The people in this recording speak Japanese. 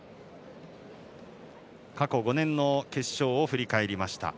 過去５年の決勝を振り返りました。